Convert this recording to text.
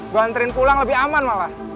gua hantarin pulang lebih aman malah